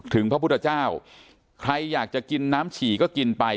พระพุทธเจ้าใครอยากจะกินน้ำฉี่ก็กินไป